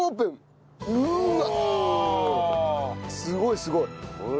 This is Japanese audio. すごいすごい。